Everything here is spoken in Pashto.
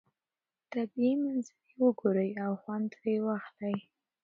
طبیعي منظرې وګورئ او خوند ترې واخلئ.